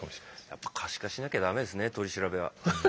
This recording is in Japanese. やっぱ可視化しなきゃダメですね取り調べは。